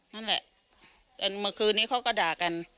นั่นแหละจนเมื่อคืนนี้เขาก็ด่ากัน